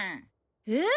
えっ？